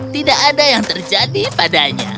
tidak ada yang terjadi padanya